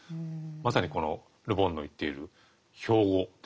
まさにこのル・ボンの言っている標語ですよね。